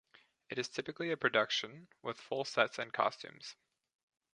It is typically a production with full sets and costumes.